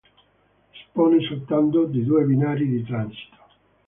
Dispone soltanto di due binari di transito.